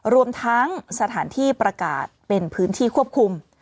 รวมทั้งสถานที่ประกาศเป็นพื้นที่ควบคุม